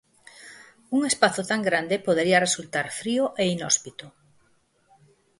Un espazo tan grande podería resultar frío e inhóspito.